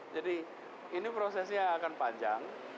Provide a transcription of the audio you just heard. jadi ini prosesnya akan panjang